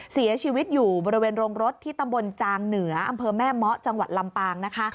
เสียชีวิตอยู่บริเวณโรงรถที่ตำบลจางเหนืออำเภอแม่เมาะจังหวัดลำปางนะคะ